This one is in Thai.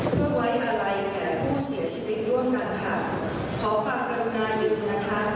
เพื่อไว้อะไรแก่ผู้เสียชีวิตร่วมกันค่ะขอฝากกรุณายืนนะคะทุกท่านอยู่ในความสงบหนึ่งนาที